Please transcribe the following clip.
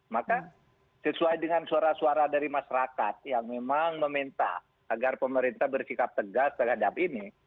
maka sesuai dengan suara suara dari masyarakat yang memang meminta agar pemerintah bersikap tegas terhadap ini